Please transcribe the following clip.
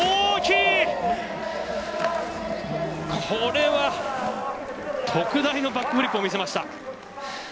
これは特大のバックフリップを見せました。